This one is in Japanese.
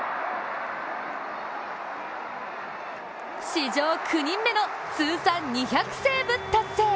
史上９人目の通算２００セーブ達成。